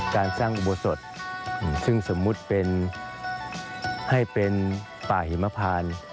การสร้างอุโบสถซึ่งสมมุติเป็นให้เป็นป่าหิมพาน